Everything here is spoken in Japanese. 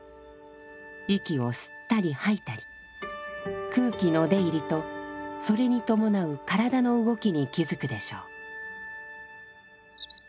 息を吸ったり吐いたり空気の出入りとそれに伴う体の動きに気づくでしょう。